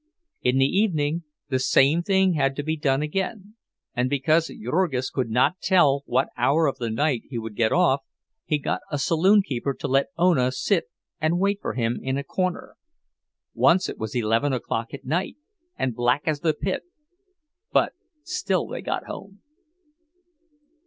In the evening the same thing had to be done again; and because Jurgis could not tell what hour of the night he would get off, he got a saloon keeper to let Ona sit and wait for him in a corner. Once it was eleven o'clock at night, and black as the pit, but still they got home.